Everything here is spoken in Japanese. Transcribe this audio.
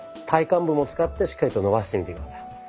体幹部も使ってしっかりと伸ばしてみて下さい。